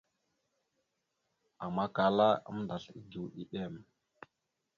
Ama kala aməndasl egew ɗiɗem.